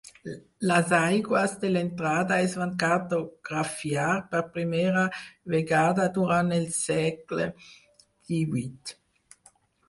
Les aigües de l'entrada es van cartografiar per primera vegada durant el segle XVIII.